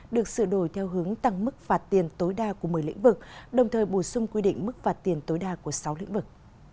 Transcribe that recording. được sửa đổi theo hướng tăng mức phạt tiền tối đa của một mươi lĩnh vực đồng thời bổ sung quy định mức phạt tiền tối đa của sáu lĩnh vực